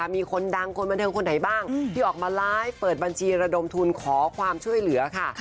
มีคนดังคนบันเทิงคนไหนบ้างที่ออกมาไลฟ์เปิดบัญชีระดมทุนขอความช่วยเหลือค่ะ